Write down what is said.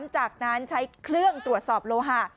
จากนั้นใช้เครื่องตรวจสอบโลหะ